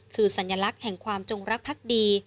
คือสัญลักษณ์แห่งความจงรักภักดี